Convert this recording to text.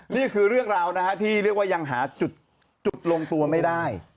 นี่คือเรื่องราวนะฮะที่เรียกว่ายังหาจุดลงตัวไม่ได้